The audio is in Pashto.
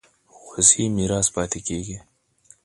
وصي میراث پاتې کېږي.